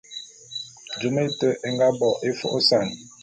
Jôm éte é nga bo é fô'ôsan.